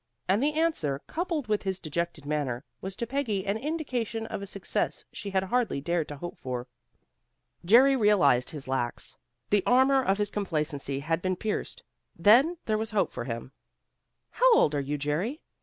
And the answer, coupled with his dejected manner, was to Peggy an indication of a success she had hardly dared to hope for. Jerry realized his lacks. The armor of his complacency had been pierced. Then there was hope for him. "How old are you, Jerry?"